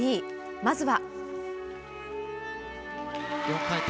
まずは。